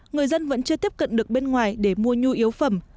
người dân vẫn chưa tiếp cận được bên ngoài để mua nhu yếu phẩm